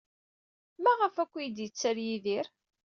Maɣef akk ay d-yetter Yidir?